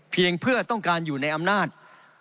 เพื่อต้องการอยู่ในอำนาจ